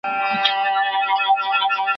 د خلکو ګډ چلند وڅېړه.